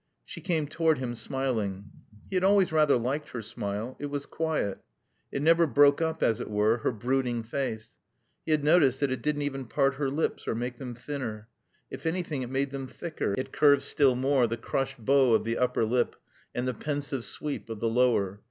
She came toward him smiling. He had always rather liked her smile. It was quiet. It never broke up, as it were, her brooding face. He had noticed that it didn't even part her lips or make them thinner. If anything it made them thicker, it curved still more the crushed bow of the upper lip and the pensive sweep of the lower.